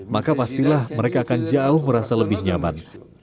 maka pastilah mereka akan jauh merasa lebih nyaman